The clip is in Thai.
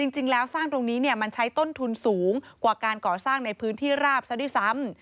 จริงแล้วสร้างตรงนี้มันใช้ต้นทุนสูงกว่าการก่อสร้างในพื้นที่ราบซะด้วยซ้ำ